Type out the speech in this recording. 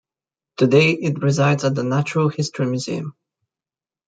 Today it resides at the Natural History Museum.